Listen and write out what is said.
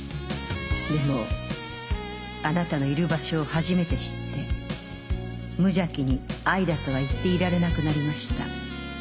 でもあなたのいる場所を初めて知って無邪気に愛だとは言っていられなくなりました。